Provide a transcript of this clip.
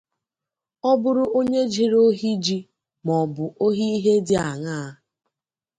Ọ bụrụ onye jere ohi ji maọbụ ohi ihe dị añaa